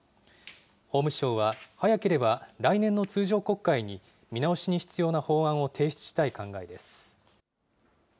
法務省は、早ければ来年の通常国会に見直しに必要な法案を提出したい考えです。